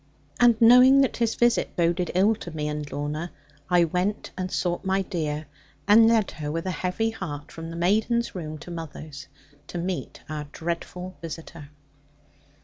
And knowing that his visit boded ill to me and Lorna, I went and sought my dear; and led her with a heavy heart, from the maiden's room to mother's, to meet our dreadful visitor.